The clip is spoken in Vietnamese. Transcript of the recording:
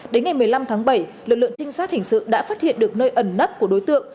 đến ngày một mươi năm tháng bảy lực lượng trinh sát hình sự đã phát hiện được nơi ẩn nấp của đối tượng